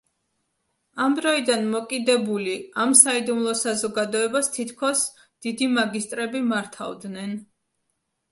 ამდროიდან მოკიდებული ამ „საიდუმლო საზოგადოებას“ თითქოს დიდი მაგისტრები მართავდნენ.